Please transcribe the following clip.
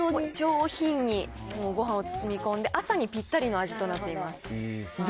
上品にごはんを包み込んで、朝にぴったりの味となっています。